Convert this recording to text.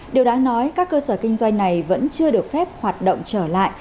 điều đáng nói các cơ sở kinh doanh này vẫn chưa được phép hoạt động trở lại